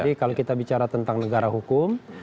jadi kalau kita bicara tentang negara hukum